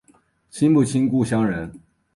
亲不亲故乡人